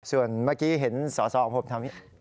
ส่วนเมื่อกี้เห็นสาวของผมทำให้